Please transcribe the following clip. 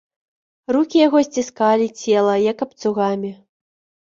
Рукі яго сціскалі цела, як абцугамі.